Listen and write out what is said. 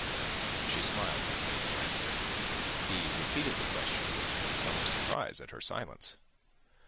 She smiled, but made no answer. He repeated the question, with some surprise at her silence.